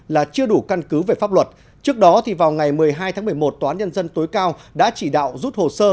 là chưa đủ căn cứ về pháp luật trước đó thì vào ngày một mươi hai tháng một mươi một tòa án nhân dân tối cao đã chỉ đạo rút hồ sơ